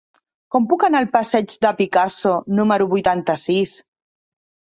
Com puc anar al passeig de Picasso número vuitanta-sis?